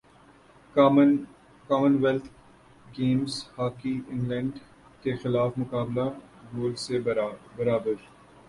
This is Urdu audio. common wealth games hockey England کیخلاف مقابلہ گولز سے برابر